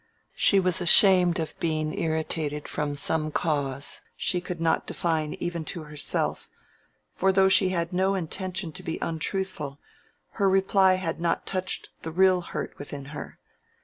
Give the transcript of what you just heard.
She was ashamed of being irritated from some cause she could not define even to herself; for though she had no intention to be untruthful, her reply had not touched the real hurt within her.